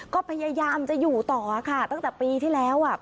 ก็พยายามจะอยู่ต่อค่ะตั้งแต่ปีที่แล้วอ่ะ